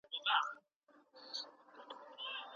په کومه لاره یو هوډمن کس خپلي ټولي کمزورۍ پټوي؟